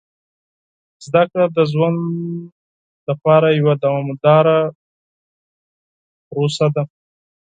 زده کړه د ژوند لپاره یوه دوامداره پروسه ده.